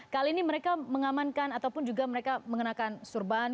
kali ini mereka mengamankan ataupun juga mereka mengenakan surban